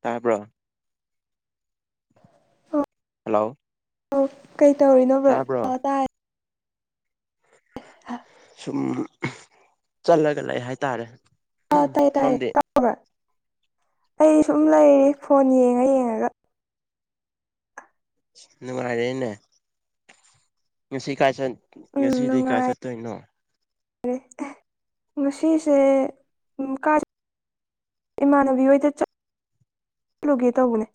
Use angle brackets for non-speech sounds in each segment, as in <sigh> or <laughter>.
ꯇꯥꯕ꯭ꯔꯣ ꯍꯜꯂꯣ ꯑꯣ ꯀꯩ ꯇꯧꯔꯤꯅꯣꯕ꯭ꯔꯣ ꯇꯥꯕ꯭ꯔꯣ ꯇ ꯑ ꯁꯨꯝ ꯆꯠꯂꯒ ꯂꯩ ꯍꯥꯏꯇꯥꯔꯦ ꯑꯥꯎ ꯇꯥꯏꯌꯦ ꯇꯥꯏꯌꯦ ꯁꯣꯝꯗꯤ ꯇꯥꯎ꯭ꯔ ꯑꯩ ꯁꯨꯝ ꯂꯩꯔꯤ ꯐꯣꯟ ꯌꯦꯡꯉ ꯌꯦꯡꯉꯒ ꯅꯨꯡꯉꯥꯏꯔꯦꯅꯦ ꯉꯁꯤ ꯀꯥꯏ ꯆꯠ ꯎꯝ ꯉꯁꯤꯗꯤ ꯀꯥꯏ ꯅꯨꯡꯉꯥꯏꯔꯦ ꯆꯠꯇꯣꯏꯅꯣ ꯉꯁꯤꯁꯦ ꯎꯝ ꯀꯥꯏ ꯏꯃꯥꯟꯅꯕꯤ ꯑꯣꯏꯗ ꯆꯠꯂꯨꯒꯦ ꯇꯧꯕꯅꯦ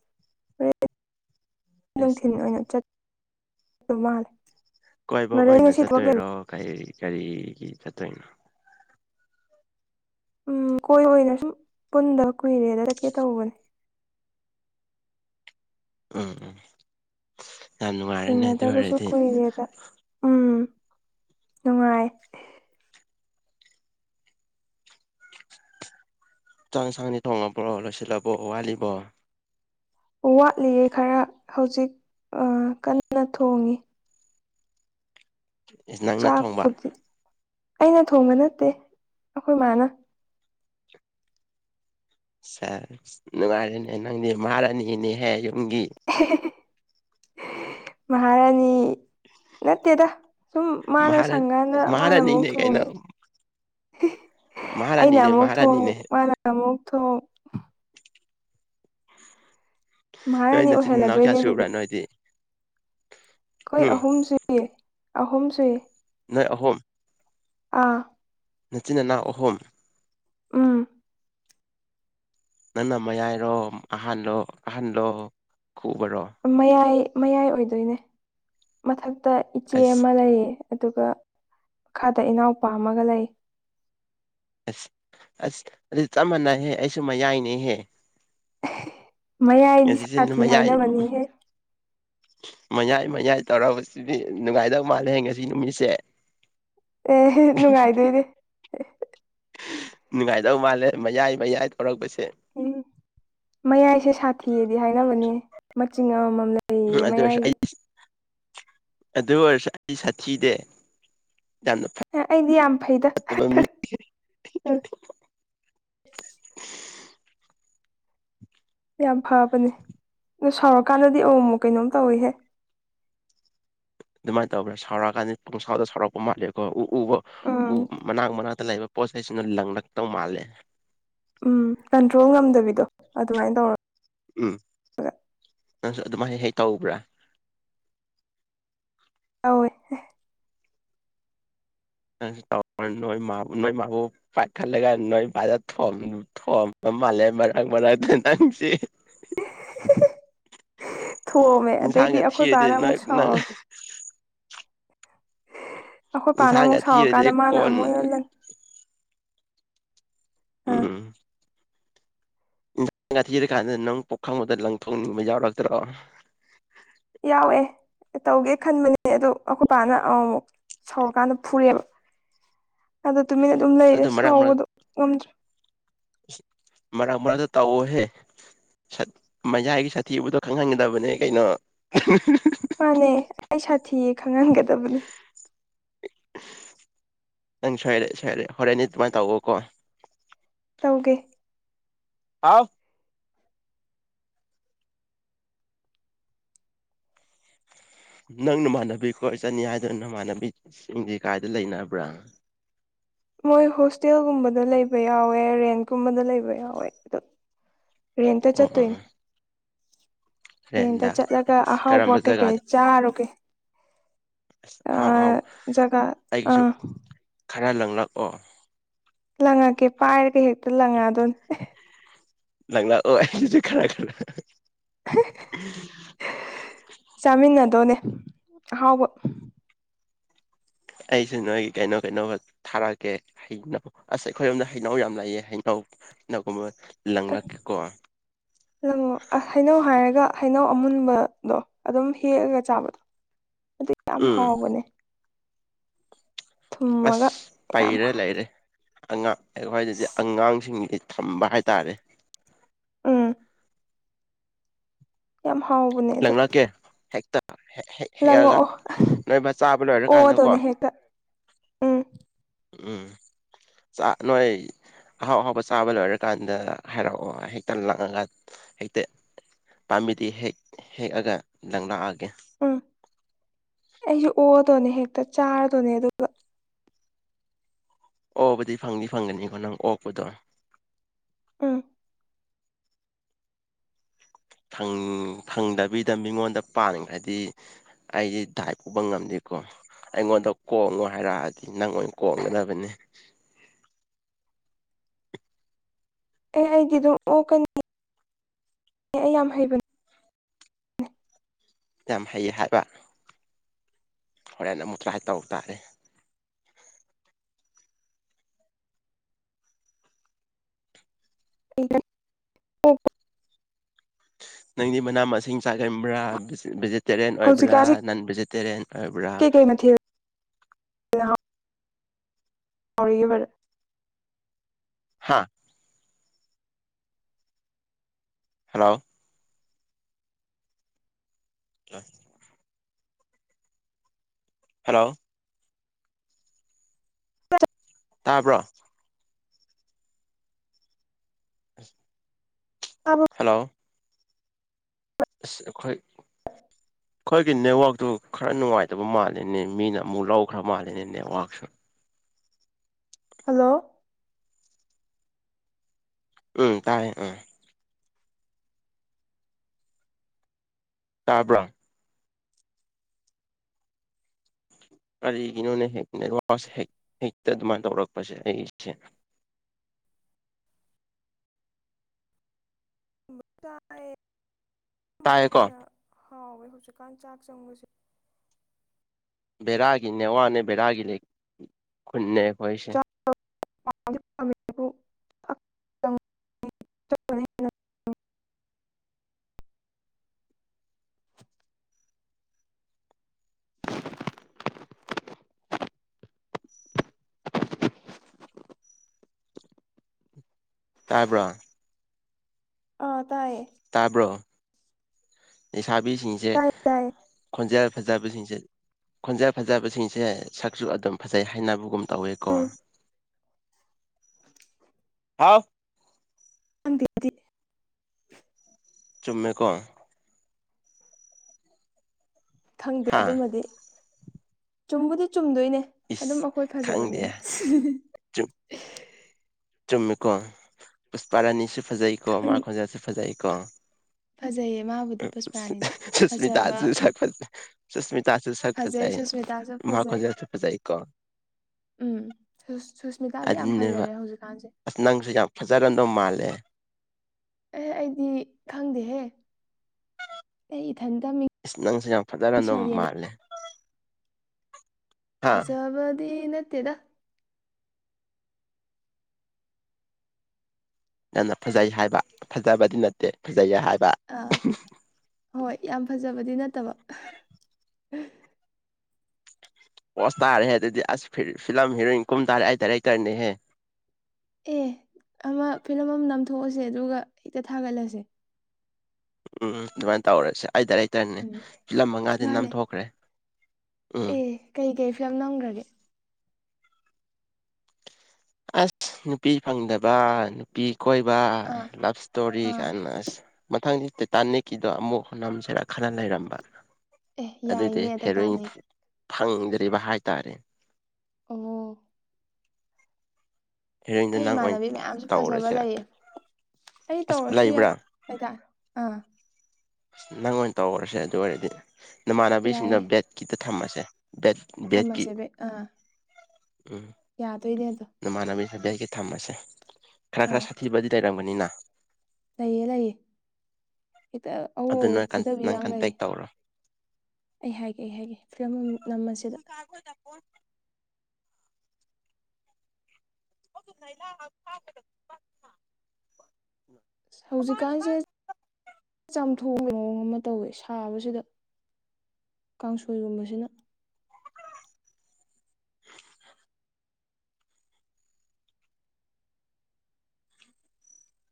ꯏꯁ ꯅꯨꯡꯊꯤꯜ ꯑꯣꯏꯅ ꯆꯠ ꯃꯥꯂꯦ ꯀꯣꯏꯕ ꯑꯣꯏꯅ ꯆꯠꯇꯣꯏꯔꯣ ꯀꯩ ꯀꯔꯤꯒꯤ ꯆꯠꯇꯣꯏꯅꯣ ꯎꯝ ꯀꯣꯏꯕ ꯑꯣꯏꯅ ꯁꯨꯝ ꯄꯨꯟꯗ ꯀꯨꯏꯔꯦꯗ ꯆꯠꯀꯦ ꯇꯧꯕꯅꯦ ꯎꯝ ꯎꯝ ꯌꯥꯝ ꯅꯨꯡꯉꯥꯏꯔꯦꯅꯦ ꯑꯗꯨ ꯊꯦꯡꯅꯗꯕꯁꯨ ꯑꯣꯏꯔꯗꯤ ꯀꯨꯏꯔꯦꯗ ꯎꯝ ꯅꯨꯡꯉꯥꯏ ꯆꯥꯛ ꯏꯟꯁꯥꯡꯗꯤ ꯊꯣꯡꯉꯕ꯭ꯔꯣ ꯂꯣꯏꯁꯤꯜꯂꯕꯣ ꯋꯥꯠꯂꯤꯕꯣ ꯋꯥꯠꯂꯤꯌꯦ ꯈꯔ ꯍꯧꯖꯤꯛ ꯀꯟꯅ ꯊꯣꯡꯉꯤ ꯏꯁ ꯅꯪꯅ ꯊꯣꯡꯕ ꯆꯥꯛꯄꯨꯗꯤ ꯑꯩꯅ ꯊꯣꯡꯕ ꯅꯠꯇꯦ ꯑꯩꯈꯣꯏ ꯏ ꯃꯥꯅ ꯁꯦꯁ ꯅꯨꯡꯉꯥꯏꯔꯦꯅꯦ ꯅꯪꯗꯤ ꯃꯍꯥꯔꯅꯤꯅꯦꯍꯦ ꯌꯨꯝꯒꯤ ꯃꯍꯥꯔꯥꯅꯤ ꯅꯠꯇꯦꯗ ꯁꯨꯝ ꯃꯥꯅ ꯃꯍꯥꯔꯥ ꯁꯪꯀꯥꯟꯗ ꯃꯥꯅ ꯑꯃꯨꯛ ꯃꯍꯥꯔꯥꯅꯤꯅꯦ ꯀꯩꯅꯣ ꯊꯣꯡꯉꯦ ꯑꯩꯅ ꯃꯍꯥꯔꯥꯅꯤꯅꯦ ꯑꯃꯨꯛ ꯊꯣꯛꯎ ꯃꯍꯥꯔꯥꯅꯤꯅꯦ ꯃꯥꯅ ꯑꯃꯨꯛ ꯊꯣꯛꯎ <inaudible> ꯅꯣꯏ ꯃꯥꯍꯥꯔꯅꯤ ꯅꯆꯤꯟ ꯅꯅꯥꯎ ꯀꯌꯥ ꯑꯣꯏꯍꯜꯂꯗꯣꯏꯅꯦ ꯁꯨꯕ꯭ꯔꯥ ꯑꯗꯨꯗꯤ ꯅꯣꯏꯗꯤ ꯑꯩꯈꯣꯏ ꯍꯨꯝ ꯑꯍꯨꯝꯁꯨꯏ ꯑꯍꯨꯝꯁꯨꯏ ꯅꫭ ꯑꯍꯨꯝꯝ ꯑꯥ ꯅꯆꯤꯟ ꯏꯅꯥꯎ ꯑꯍꯨꯝ ꯎꯝ ꯅꯪꯅ ꯃꯌꯥꯏꯔꯣ ꯑꯍꯜꯗꯣ ꯑꯍꯟꯂꯣ ꯈꯨꯕꯔꯣ ꯃꯌꯥꯏ ꯃꯌꯥꯏ ꯑꯣꯏꯗꯣꯏꯅꯦ ꯃꯊꯛꯇ ꯏꯆꯦ ꯑꯁ ꯑꯃ ꯂꯩꯌꯦ ꯑꯗꯨꯒ ꯃꯈꯥꯗ ꯏꯅꯥꯎꯄꯥꯝ ꯑꯃꯒ ꯂꯩ ꯑꯁ ꯑꯁ ꯑꯗꯨꯗꯤ ꯆꯞ ꯃꯥꯟꯅꯩꯍꯦ ꯑꯩꯁꯨ ꯃꯌꯥꯏꯅꯦꯍꯦ ꯃꯌꯥꯏꯗꯤ ꯉꯁꯤꯁꯦ ꯁꯥꯊꯤ ꯃꯌꯥꯏ ꯍꯥꯏꯅꯕꯅꯤꯍꯦ ꯃꯌꯥꯏ ꯃꯌꯥꯏ ꯇꯧꯁꯤꯗꯤ ꯅꯨꯡꯉꯥꯏꯗꯧ ꯃꯥꯜꯂꯦ ꯉꯁꯤ ꯅꯨꯃꯤꯠꯁꯦ ꯑꯦꯍ‌ꯦ ꯅꯨꯡꯉꯥꯏꯗꯣꯏꯅꯦ ꯅꯨꯡꯉꯥꯏꯗꯧ ꯃꯥꯜꯂꯦ ꯃꯌꯥꯏ ꯃꯌꯥꯏ ꯊꯧꯔꯛꯄꯁꯦ ꯎꯝ ꯃꯌꯥꯏꯁꯦ ꯁꯥꯊꯤꯌꯦꯗꯤ ꯍꯥꯏꯅꯕꯅꯦ ꯃꯆꯤꯡ ꯑꯃꯃꯝ ꯂꯩ ꯎꯝ ꯑꯗꯨ ꯑꯣꯏꯔꯁꯨ ꯑꯩ ꯑꯗꯨ ꯑꯣꯏꯔꯁꯨ ꯑꯩ ꯁꯥꯊꯤꯗꯦ ꯌꯥꯝꯅ ꯑꯦ ꯑꯩꯗꯤ ꯌꯥꯝ ꯐꯩꯗ ꯐꯠꯇꯕ ꯃꯤ ꯌꯥꯝ ꯐꯕꯅꯦ ꯑꯗꯨ ꯁꯥꯎꯔꯛꯀꯥꯟꯗꯗꯤ ꯑꯃꯨꯛ ꯑꯃꯨꯛ ꯀꯩꯅꯣꯝ ꯇꯧꯋꯤꯍꯦ ꯑꯗꯨꯃꯥꯏꯅ ꯇꯧꯕ꯭ꯔꯥ ꯁꯥꯎꯔꯛꯑꯀꯥꯟꯗ ꯄꯨꯡꯁꯥꯎꯗ ꯁꯥꯎꯔꯛꯄ ꯃꯥꯜꯂꯦꯀꯣ ꯎ ꯎ ꯎ ꯎꯝ ꯃꯅꯥꯛ ꯃꯅꯥꯛꯇ ꯂꯩꯕ ꯄꯣꯠꯩꯁꯤꯅ ꯂꯪꯂꯛꯇꯧ ꯃꯥꯜꯂꯦ ꯎꯝ ꯀꯟꯇ꯭ꯔꯣꯜ ꯉꯝꯗꯕꯤꯗꯣ ꯑꯗꯨꯃꯥꯏꯅ ꯇꯧꯔ ꯎꯝ ꯅꯪꯁꯨ ꯑꯗꯨꯃꯥꯏꯅ ꯍꯦꯛ ꯍ‌ꯦꯛ ꯇꯧꯕ꯭ꯔꯥ ꯇꯧꯋꯤ ꯅꯣꯏ ꯃꯥꯕꯨ ꯅꯣꯏ ꯃꯥꯕꯨ ꯄꯥꯛ ꯈꯥꯂꯒꯥꯏ ꯅꯣꯏ ꯕꯔ ꯊꫭꯝ ꯊꯣꯝꯕ ꯃꯥꯜꯂꯦ ꯃꯔꯥꯛ ꯃꯔꯥꯛꯇ ꯅꯪꯖꯤ <unintelligible> <inaudible> ꯊꯣꯑꯝꯃꯦ ꯑꯗꯩꯗꯤ ꯏꯟꯁꯥꯡꯒ ꯑꯩꯈꯣꯏ ꯊꯤꯔꯗꯤ ꯕꯥꯅ ꯑꯃꯨꯛ ꯅꯣꯏ ꯅꯪ ꯁꯥꯎꯔ ꯑꯩꯈꯣꯏ ꯄꯥꯅ ꯏꯟꯁꯥꯡꯒ ꯑꯃꯨꯛ ꯊꯤꯔꯗꯤ ꯁꯥꯎꯔꯛꯀꯥꯟꯗ ꯃꯥꯅ ꯀꯣꯟ ꯑꯃꯨꯛ ꯑꯩꯉꫭꯟ ꯂꯪ ꯑꯥ ꯎꯝ ꯏꯟꯁꯥꯡ ꯀꯥ ꯊꯤꯔ ꯀꯥꯟꯗ ꯅꯪ ꯄꯣꯛ ꯈꯪꯕꯗ ꯂꯪꯊꯣꯛꯅꯤꯡꯕ ꯌꯥꯎꯔꯛꯇ꯭ꯔꯣ ꯌꯥꯎꯑꯦ ꯇꯧꯒꯦ ꯈꯟꯕꯅꯦ ꯑꯗꯣ ꯑꯩꯈꯣꯏ ꯄꯅ ꯑꯃꯨꯃꯨꯛ ꯁꯥꯎꯔꯀꯥꯟꯗ ꯐꯨꯔꯦꯕ ꯑꯗꫭ ꯇꯨꯃꯤꯟꯅ ꯑꯗꯨꯝ ꯑꯁ ꯂꯩꯔꯦ ꯑꯗꯨ ꯃꯔꯛ ꯃꯔꯛ ꯁꯥꯎꯕꯗꯣ ꯉꯝꯗ꯭ꯔꯦ ꯃꯔꯛ ꯃꯔꯛꯗ ꯇꯥꯎꯋ‌ꯦ ꯍꯦ ꯃꯌꯥꯏꯒꯤ ꯁꯥꯊꯤꯕꯨꯗꯣ ꯈꯪꯍꯟꯒꯗꯕꯅꯦ ꯀꯩꯅꯣ ꯃꯥꯅꯦ ꯑꯩ ꯁꯥꯊꯤꯌꯦ ꯈꯪꯍꯟꯒꯗꯕꯅꯦ ꯅꯪ ꯁꯣꯏꯔꯦ ꯁꯣꯏꯔꯦ ꯍꯣꯔꯦꯟꯗꯤ ꯑꯗꯨꯃꯥꯏꯅ ꯇꯧꯕꯀꯣ ꯇꯧꯒꯦ ꯍꯥꯎ ꯅꯪ ꯅꯃꯥꯟꯅꯕꯤ ꯈꯣꯏꯠ ꯆꯠꯅꯤ ꯍꯥꯏꯗꯅ ꯅꯃꯥꯟꯅꯕꯤꯁꯤꯡꯁꯤ ꯀꯥꯏꯗ ꯂꯩꯅꯕ꯭ꯔꯥ ꯃꯣꯏ ꯍꯣꯁꯇꯦꯜꯒꯨꯝꯕꯗ ꯂꯩꯕ ꯌꯥꯎꯋꯦ ꯔꯦꯟꯀꯨꯝꯕꯗ ꯂꯩꯕ ꯌꯥꯎꯋꯦ ꯑꯗꯨ ꯔꯦꯟꯇ ꯑꯣ ꯑꯣ ꯆꯠꯇꯣꯏꯅꯦ ꯔꯦꯟꯗ ꯆꯠꯂꯒ ꯑꯍꯥꯎꯕ ꯀꯔꯝꯕ ꯀꯩꯀꯩ ꯖꯒꯥꯗ ꯆꯥꯔꯨꯒꯦ ꯑꯁ ꯑꯍꯥꯎ ꯑꯍꯥꯎ ꯑꯥ ꯖꯒꯥ ꯑꯩꯒꯤꯁꯨ ꯑꯥ ꯈꯔ ꯂꯪꯂꯛꯑꯣ ꯂꯪꯉꯛꯀꯦ ꯄꯥꯏꯔꯒ ꯍꯦꯛꯇ ꯂꯪꯉꯛꯗꯣꯏꯅꯦ ꯂꯪꯂꯛꯑꫭ ꯑꯣꯁꯨ ꯈꯔ ꯈꯔ ꯆꯥꯃꯤꯟꯅꯗꯧꯅꯦ ꯑꯍꯥꯎꯕ ꯑꯩꯁꯨ ꯅꯣꯏꯒꯤ ꯀꯩꯅꯣ ꯀꯩꯅꯣꯒ ꯊꯥꯔꯛꯑꯀꯦ ꯍꯩꯅꯧ ꯑꯁ ꯑꯩꯈꯣꯏꯔꯣꯝꯗ ꯍꯩꯅꯧ ꯌꯥꯝ ꯂꯥꯛꯑꯦ ꯍꯩꯅꯧꯒꯨꯝꯕ ꯂꯪꯂꯛꯀ‌ꯦꯀꯣ ꯂꯪꯂꯛꯑꫭ ꯑꯥꯍꯩꯅꯧ ꯍꯥꯏꯔꯒ ꯍꯩꯅꯧ ꯑꯃꯨꯟꯕꯗꯣ ꯑꯗꯨꯝ ꯍꯦꯛꯑꯒ ꯆꯥꯕꯗꯣ ꯑꯗꯨ ꯌꯥꯝ ꯎꯝ ꯍꯥꯎꯕꯅꯦ ꯊꯨꯝꯃꯒ ꯑꯁ ꯌꯥꯝ ꯄꯩꯔ ꯂꯩꯔꯦ ꯑꯉꯥꯡ ꯑꯩꯈꯣꯏꯗꯗꯤ ꯑꯉꯥꯡꯁꯤꯡꯁꯤ ꯊꯝꯕ ꯍꯥꯏꯇꯥꯔꯦ ꯎꯝ ꯌꯥꯝ ꯍꯥꯎꯕꯅꯦ ꯑꯗꯣ ꯀꯦ ꯍꯦꯛꯇ ꯍꯦꯛ <inaudible> <unintelligible> ꯂꯪꯉꯛꯑꯣ ꯂꯣꯏꯔꯀꯥꯟꯗꯀꯣ ꯑꯣꯑꯗꯧꯅꯤ ꯍꯦꯛꯇ ꯎꯝ ꯎꯝ ꯆ ꯅꯣꯏ ꯑꯍꯥꯎ ꯑꯍꯥꯎꯕ ꯆꯥꯕ ꯂꯣꯏꯔꯀꯥꯟꯗ ꯍꯥꯏꯔꯛꯑꯣ ꯍꯦꯛꯇ ꯂꯥꯛꯉ ꯍꯦꯛꯇ ꯄꯥꯝꯕꯤꯗꯤ ꯍꯦꯛ ꯍꯦꯛꯑꯒ ꯂꯪ ꯂꯥꯛꯑꯒꯦ ꯎꯝ ꯑꯩꯁꯨ ꯑꯣꯑꯗꯣꯅꯦ ꯍꯦꯛꯇ ꯆꯥꯔꯗꯣꯅꯦ ꯑꯗꯨꯒ ꯑꯣꯕꯨꯗꯤ ꯐꯪꯗꯤ ꯐꯪꯒꯅꯤꯀꯣ ꯅꯪ ꯑꯣꯛꯄꯗꯣ ꯎꯝ ꯐꯪ ꯐꯪꯗꯕꯤꯗ ꯃꯤꯉꯣꯟꯗ ꯄꯥꯟꯈ꯭ꯔꯗꯤ ꯑꯩꯗꯤ ꯗꯥꯥꯏ ꯄꯨꯕ ꯉꯝꯗꯦꯀꯣ ꯑꯩꯉꯣꯟꯗ ꯀꯣꯡꯉꯣ ꯍꯥꯏꯔꯛꯑꯗꯤ ꯅꯪ ꯑꯣꯏꯅ ꯀꯣꯡꯒꯗꯕꯅꯦ ꯑꯦ ꯑꯩꯗꯤ ꯑꯗꯨꯝ ꯑꯣꯛꯀꯅꯤ ꯑꯩ ꯌꯥꯝ ꯍꯩꯕꯅꯦ ꯌꯥꯝ ꯍꯩ ꯍꯥꯏꯕ ꯍꯣꯔꯦꯟ ꯑꯃꯨꯛ ꯇ꯭ꯔꯥꯏ ꯇꯧ ꯇꯥꯔꯦ <inaudible> ꯑꯣꯛꯄ ꯅꯪꯗꯤ ꯃꯅꯥ ꯃꯁꯤꯡ ꯆꯥꯛꯒꯟꯕ꯭ꯔꯥ ꯕꯤꯁ ꯚꯦꯖꯤ ꯇꯥꯔꯤꯌꯟ ꯑꯣꯏꯕ꯭ꯔꯥ ꯍꯧꯖꯤꯛꯀꯥꯟꯁꯦ ꯅꯟ ꯚꯦꯖꯤꯇꯥꯔꯤꯌꯟ ꯑꯣꯏꯕ꯭ꯔꯥ ꯀꯩꯀꯩ ꯃꯊꯦꯜꯅ <unintelligible> ꯍꯥꯥ ꯍꯜꯂꯣ ꯑꯥꯏ ꯍꯜꯂꯣ ꯇꯥꯕ꯭ꯔꯣ ꯇꯥꯕ꯭ꯔꯣ ꯍꯜꯂꯣ ꯑꯁ ꯑꯩꯈꯣꯏ ꯑꯩꯈꯣꯏꯒꯤ ꯅꯦꯠꯋꯥꯔꯛꯇꯨ ꯈꯔ ꯅꯨꯡꯉꯥꯏꯇꯕ ꯃꯥꯜꯂꯦꯅꯦ ꯃꯤꯅ ꯑꯃꯨꯛ ꯂꯧꯈ꯭ꯔ ꯃꯥꯜꯂꯤꯅꯦ ꯅꯦꯠꯋꯥꯔꯛꯁꯨ ꯍꯜꯂꯣ ꯎꯝ ꯇꯥꯥꯏꯌꯦ ꯎꯝ ꯇꯥꯕ꯭ꯔꯣ ꯀꯔꯤꯒꯤꯅꯣꯅꯦ ꯍꯦꯛ ꯅꯦꯠꯋꯥꯔꯛꯁꯦ ꯍꯦꯛ ꯍꯦꯛꯇ ꯑꯗꯨꯃꯥꯏꯅ ꯇꯧꯔꯛꯄꯁꯦ ꯑꯩꯒꯤꯁꯦ ꯆꯥꯌꯦ ꯇꯥꯏꯀꯣ ꯍꯥꯎꯋꯦ ꯍꯧꯖꯤꯛꯀꯥꯟ ꯆꯥꯛ ꯆꯪꯕꯁꯦ ꯕꯦꯔꯥꯒꯤꯅꯦ ꯅꯦꯠꯋꯥꯔꯛꯅꯦ ꯕꯦꯔꯥꯒꯤ ꯈꯨꯟꯅꯦ ꯑꯩꯈꯣꯏꯁꯦ <inaudible> <inaudible> ꯇꯥꯕ꯭ꯔꯣ ꯑ ꯇꯥꯏꯌꯦ ꯇꯥꯕ꯭ꯔꯣ ꯂꯩꯁꯥꯕꯤꯁꯤꯡꯁꯦ ꯇꯥꯏ ꯇꯥꯏꯌꯦ ꯈꯣꯟꯖꯦꯜ ꯐꯖꯕꯁꯤꯡꯁꯦ ꯈꯣꯟꯖꯦꯜ ꯐꯖꯕꯁꯤꯡꯁꯦ ꯁꯛꯁꯨ ꯑꯗꯨꯝ ꯐꯖꯩ ꯍꯥꯏꯅꯕꯒꯨꯝ ꯇꯧꯋꯦꯀꯣ ꯎꯝ <unintelligible> ꯍꯥꯎ ꯈꯪꯗꯦ ꯑꯩꯗꯤ ꯆꯨꯝꯃꯦꯀꯣ ꯈꯪꯗꯦ ꯍꯥ ꯑꯗꯨꯃꯗꯤ ꯆꯨꯝꯕꯨꯗꯤ ꯆꯨꯝꯗꯣꯏꯅꯦ ꯑꯗꯨꯝ ꯏꯁ ꯑꯩꯈꯣꯏ ꯈꯪꯗꯦ ꯐꯖꯕꯅꯤꯅ ꯑꯁ <unintelligible> ꯆꯨꯝ ꯆꯨꯝꯃꯦꯀꯣ ꯄꯨꯁꯄꯔꯥꯅꯤꯁꯨ ꯐꯖꯩꯀꯣ ꯃꯥ ꯈꯣꯟꯖꯦꯜꯁꯨ ꯐꯖꯩꯀꯣ ꯐꯖꯩꯌꯦ ꯃꯥꯕꯨꯗꯤ ꯄꯨꯁꯄꯔꯥꯅꯤꯗꯤ ꯐꯖꯕ ꯁꯨꯁꯃꯤꯇꯥꯁꯨ ꯁꯛ ꯐꯖꯩ ꯁꯨꯁꯃꯤꯇꯥꯁꯨ ꯁꯛ ꯐꯖꯩ ꯁꯨꯁꯃꯤꯇꯥꯁꯨ ꯃꯥ ꯐꯖꯩ ꯈꯣꯟꯖꯦꯜꯁꯨ ꯐꯖꯩꯀꯣ ꯎꯝ ꯁꯨꯁ ꯁꯨꯁꯃꯤꯇꯥꯗꯤ ꯌꯥꯝ ꯑꯗꯨꯅꯦꯕ ꯐꯖꯔꯦ ꯍꯧꯖꯤꯛꯀꯥꯟꯖ‌ꯦ ꯑꯁ ꯅꯪꯁꯨ ꯌꯥꯝ ꯐꯖꯔꯝꯗꯧ ꯃꯥꯜꯂꯦ ꯑꯦ ꯑꯩꯗꯤ ꯈꯪꯗꯦꯍꯦ ꯑꯩ ꯏꯊꯟꯇ ꯃꯤꯡ ꯏꯁ ꯅꯪꯁꯨ ꯌꯥꯝ ꯐꯖꯔꯝꯗ‌ꯣ ꯃꯥꯜꯂꯦ ꯍꯥ ꯐꯖꯕꯗꯤ ꯅꯠꯇꯦꯗꯥ ꯅꯪꯅ ꯐꯖꯩ ꯍꯥꯏꯕ ꯐꯖꯕꯗꯤ ꯅꯠꯇꯦ ꯐꯖꯩ ꯍꯥꯏꯕ ꯑꯥ ꯍꯣꯏ ꯌꯥꯝ ꯐꯖꯕꯗꯤ ꯅꯠꯇꯕ ꯄꯣꯁ ꯇꯥꯔꯦ ꯑꯗꯨꯗꯤ ꯑꯁ ꯐꯤꯂꯝ ꯍꯦꯔꯣꯏꯟ ꯀꯨꯝ ꯇꯥꯔꯦ ꯑꯩ ꯗꯥꯏꯔꯦꯛꯇꯔꯅꯦꯍꯦ ꯑꯦ ꯑꯃ ꯐꯤꯂꯝ ꯑꯃ ꯅꯥꯝꯊꯣꯛꯑꯁꯦ ꯑꯗꯨꯒ ꯍꯦꯛꯇ ꯊꯥꯒꯠꯂꯁꯦ ꯎꯝ ꯑꯗꯨꯃꯥꯏꯅ ꯇꯧꯔꯁꯦ ꯑꯩ ꯗꯥꯔꯦꯛ ꯇꯔꯅꯦ ꯎꯝ ꯐꯤꯂꯝ ꯃꯉꯥꯗꯤ ꯃꯥꯅꯦ ꯅꯝꯊꯣꯛꯈ꯭ꯔꯦ ꯎꯝ ꯑꯦ ꯀꯩ ꯀꯩ ꯐꯤꯂꯝ ꯅꯝꯈ꯭ꯔꯒꯦ ꯑꯁ ꯅꯨꯄꯤ ꯐꯪꯗꯕ ꯅꯨꯄꯤ ꯀꯣꯏꯕ ꯑꯥ ꯂꯞ ꯏꯁꯇꯣꯔꯤ ꯑꯥ ꯀꯥꯏꯅ ꯑꯁ ꯃꯊꯪꯗꯤ ꯇꯥꯅꯤꯛꯀꯤꯗꯣ ꯑꯃꯨꯛ ꯅꯝꯁꯤꯔ ꯈꯂ ꯂꯩꯔꯝꯕ ꯑꯦ ꯑꯗꯨꯗꯤ ꯌꯥꯏꯅꯦ ꯍꯦꯔꯣꯏꯟ ꯇꯥꯏꯇꯥꯅꯤꯛ ꯐꯪꯗ꯭ꯔꯤꯕ ꯍꯥꯏꯇꯥꯔꯦ ꯑꯣ ꯍꯦꯔꯣꯏꯟꯗꯣ ꯑꯩ ꯅꯪ ꯑꯣꯏꯅ ꯏꯃꯥꯟꯅꯕꯤ ꯃꯌꯥꯝꯁꯨ ꯐꯖꯕ ꯇꯧꯔꯁꯤꯔ ꯂꯩꯌꯦ ꯑꯩ ꯑꯁ ꯇꯧꯔꯁꯨ ꯌꯥꯏ ꯂꯩꯕ꯭ꯔꯥ ꯍꯥꯏꯇꯥ ꯑꯥ ꯅꯪ ꯑꯣꯏꯅ ꯇꯧꯔꯁꯦ ꯑꯗꯨ ꯑꯣꯏꯔꯗꯤ ꯅꯃꯥꯟꯅꯕꯤꯁꯤꯡꯅ ꯌꯥꯏꯌꯦ ꯕꯦꯠꯀꯤꯗ ꯊꯝꯃꯁꯦ ꯕꯦꯠ ꯕꯦꯠꯀꯤ ꯊꯝꯃꯁꯦ ꯕꯦ ꯑꯥ ꯎꯝ ꯌꯥꯗꯣꯏꯅꯦ ꯑꯗꯣ ꯅꯃꯥꯟꯅꯕꯤ ꯈꯇꯪꯁꯤ ꯊꯝꯃꯁꯦ ꯈꯔ ꯈꯔ ꯑꯥ ꯁꯥꯊꯤꯕꯗꯤ ꯂꯩꯔꯝꯒꯅꯤꯅ ꯂꯩꯌꯦ ꯂꯩꯌꯦ ꯍꯦꯛꯇ ꯑꯎ ꯑꯗꯨ ꯑꯎ ꯅꯣꯏ ꯐꯨꯗꯕꯤ ꯅꯪ ꯌꯥꯝ ꯂꯩꯌꯦ ꯀꯟꯇꯦꯛ ꯇꯧꯔꯣ ꯑꯩ ꯍꯥꯏꯒꯦ ꯑꯩ ꯍꯥꯏꯒꯦ ꯐꯤꯂꯝ ꯑꯃ ꯅꯝꯕꯁꯤꯗ <unintelligible> ꯑ ꯍꯧꯖꯤꯛꯀꯥꯟꯁꯦ ꯆꯥꯝꯊꯣꯡꯕ ꯃꯑꯣꯡ ꯑꯃ ꯇꯧꯋꯦ ꯁꯥꯕꯁꯤꯗ ꯀꯥꯡꯁꯣꯏꯒꯨꯝꯕꯁꯤꯅ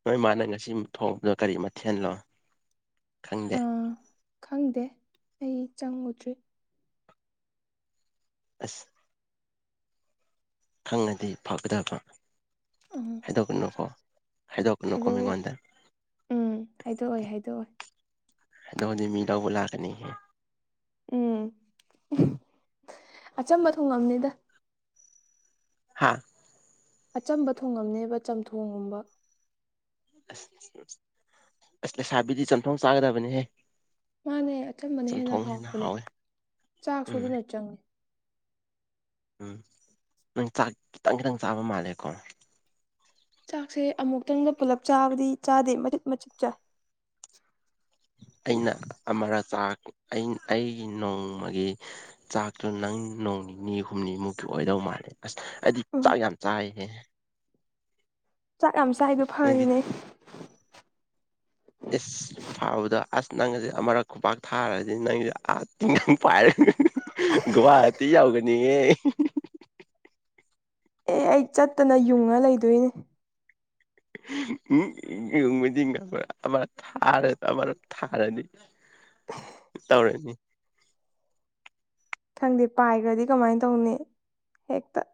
ꯅꯣꯏ ꯃꯥꯅ ꯉꯁꯤ ꯊꯣꯡꯕꯗꯣ ꯀꯔꯤ ꯃꯊꯦꯜꯅꯣ ꯈꯪꯗꯦ ꯑꯥ ꯈꯪꯗꯦ ꯑꯩ ꯆꯪꯉꯨꯗ꯭ꯔꯤ ꯑꯁ ꯈꯪꯉꯗꯤ ꯐꯒꯗꯕ ꯑꯥ ꯍꯥꯏꯗꯣꯛꯀꯅꯨꯀꯣ ꯍꯥꯏꯗꯣꯛꯀꯅꯨꯀꯣ ꯃꯤꯉꯣꯟꯗ ꯍꯥꯏꯗꯣꯛꯑꯣ ꯎꯝ ꯍꯥꯏꯗꯣꯛꯑꯣꯏ ꯍꯥꯏꯗꯣꯛꯑꯣꯏ ꯍꯥꯏꯗꯣꯑꯗꯤ ꯃꯤ ꯂꯧꯕ ꯂꯥꯛꯀꯅꯤ ꯎꯝ ꯑꯆꯝꯕ ꯊꯣꯡꯉꯝꯅꯤꯗ ꯍꯥꯥ ꯑꯆꯝꯕ ꯊꯣꯡꯉꯝꯅꯦꯕ ꯆꯝꯊꯣꯡꯒꯨꯝꯕ ꯑꯁ ꯑꯁ ꯂꯩꯁꯥꯕꯤꯗꯤ ꯆꯝꯊꯣꯡ ꯆꯥꯒꯗꯕꯅꯤꯍꯦ ꯃꯥꯅꯦ ꯑꯆꯝꯕꯅ ꯍꯦꯟꯅ ꯆꯝꯊꯣꯡ ꯍꯥꯎꯄꯅꯦ ꯍꯥꯎꯋꯦ ꯆꯥꯛ ꯁꯨ ꯎꯝ ꯑꯗꯨꯅ ꯆꯪꯉꯦ ꯎꯝ ꯅꯪ ꯆꯥꯛ ꯈꯤꯇꯪ ꯈꯤꯇꯪ ꯆꯥꯕ ꯃꯥꯜꯂꯦꯀꯣ ꯆꯥꯛꯁꯦ ꯑꯃꯨꯛꯇꯪꯗ ꯄꯨꯂꯞ ꯆꯥꯕꯗꯤ ꯆꯥꯗꯦ ꯃꯆꯤꯠ ꯃꯆꯤꯠ ꯆꯥꯏ ꯑꯩꯅ ꯑꯃꯔꯛꯂ ꯑꯩ ꯑꯩ ꯅꯣꯡꯃꯒꯤ ꯆꯥꯛꯇꯨ ꯅꯪ ꯅꯣꯡ ꯅꯤꯅꯤ ꯍꯨꯝꯅꯤꯃꯨꯛꯀꯤ ꯑꯣꯏꯗꯧ ꯃꯥꯜꯂꯦ ꯑꯁ ꯑꯩꯗꯤ ꯎꯝ ꯆꯥꯛ ꯌꯥꯝ ꯆꯥꯏꯍꯦ꯫ ꯆꯥꯛ ꯌꯥꯝ ꯆꯥꯏꯗꯣ ꯅꯪꯗꯤ ꯐꯔꯤꯅꯦ꯫ ꯑꯦꯁ ꯊꯥꯕꯗ ꯑꯁ ꯅꯪꯁꯦ ꯑꯃꯨꯔꯛ ꯈꯨꯄꯥꯛ ꯊꯥꯔꯗꯤ ꯅꯪꯁꯦ ꯑꯥ ꯇꯤꯡꯉ ꯄꯥꯏꯔꯦ ꯒꯨꯋꯥꯍꯥꯇꯤ ꯌꯥꯎꯒꯅꯤꯌꯦ꯫ ꯑꯦ ꯑꯩ ꯆꯠꯇꯅ ꯌꯨꯡꯉ ꯂꯩꯗꯣꯏꯅꯤ꯫ ꯎꯝ ꯌꯦꯕꯗꯤ ꯑꯃ ꯊꯥ ꯊꯔꯗꯤ꯫ ꯇꯧꯔꯅꯤ ꯈꯪꯗꯦ ꯄꯥꯏꯈ꯭ꯔꯗꯤ ꯀꯃꯥꯏꯅ ꯇꯧꯅꯤ ꯍꯦꯛꯇ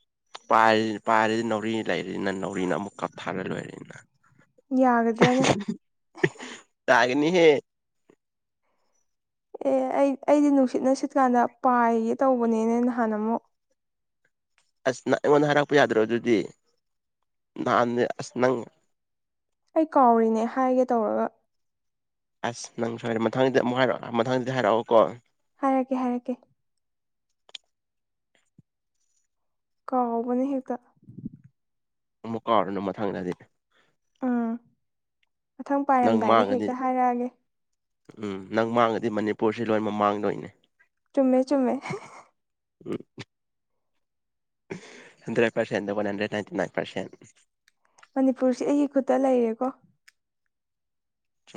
<inaudible> ꯄꯥꯏꯔꯤ ꯄꯥꯏꯔꯤ ꯅꯥꯎꯔꯤ ꯂꯩꯔꯤꯅꯤꯅ ꯅꯥꯎꯔꯤꯅ ꯑꯃꯨꯛ ꯀꯥꯞꯊꯥꯔ ꯂꯣꯏꯔꯦ꯫ ꯌꯥꯒꯗ꯭ꯔꯅꯦ ꯇꯥꯒꯅꯤ ꯍꯦ ꯑꯦ ꯑꯩ ꯑꯩꯗꯤ ꯅꯨꯡꯁꯤꯠ ꯅꯨꯡꯁꯤꯠꯀꯥꯟꯗ ꯄꯥꯏꯒꯦ ꯇꯧꯕꯅꯦꯅꯦ ꯅꯍꯥꯟ ꯑꯃꯨꯛ ꯑꯁ ꯅꯪ ꯑꯩꯉꯣꯟꯗ ꯍꯥꯏꯔꯛꯄ ꯌꯥꯗ꯭ꯔꯣ ꯑꯗꯨꯗꯤ ꯅꯍꯥꯟꯅꯦ ꯑꯁ ꯅꯪ ꯑꯩ ꯀꯥꯎꯔꯤꯅꯦ ꯍꯥꯏꯒꯦ ꯇꯧꯔꯒ꯫ ꯑꯁ ꯅꯪ ꯁꯣꯏꯔꯦ ꯃꯊꯪꯗꯤ ꯑꯃꯨꯛ ꯍꯥꯏꯔꯛꯑꯣ ꯃꯊꯪꯗꯤ ꯍꯥꯏꯔꯛꯑꯣꯀꯣ꯫ ꯍꯥꯏꯔꯛꯀꯦ ꯍꯥꯏꯔꯛꯀꯦ꯫ ꯀꯥꯎꯕꯅꯦ ꯍꯦꯛꯇ ꯑꯃꯨꯛ ꯀꯥꯎꯔꯅꯨ ꯃꯊꯪꯗꯗꯤ꯫ ꯎꯝ ꯃꯊꯪ ꯅꯪ ꯄꯥꯏꯔꯝꯗꯥꯏꯗ ꯃꯥꯡꯉꯗꯤ ꯍꯦꯛꯇ ꯍꯥꯏꯔꯛꯑꯒꯦ꯫ ꯎꯝ ꯅꯪ ꯃꯥꯡꯉꯗꯤ ꯃꯅꯤꯄꯨꯔꯁꯤ ꯂꯣꯏꯅ ꯃꯛ ꯃꯥꯡꯗꯣꯏꯅꯤ꯫ ꯆꯨꯝꯃꯦ ꯆꯨꯝꯃꯦ ꯎꯝ ꯍꯟꯗ꯭ꯔꯦꯠ ꯄꯔꯁꯦꯟꯗ ꯋꯥꯟꯍꯟꯗ꯭ꯔꯦꯠ ꯅꯥꯏꯟꯇꯤꯅꯥꯏꯟ ꯄꯔꯁꯦꯟ ꯃꯅꯤꯄꯨꯔꯁꯤ ꯑꯩꯒꯤ ꯈꯨꯠꯇ ꯂꯩꯔꯦꯀꯣ꯫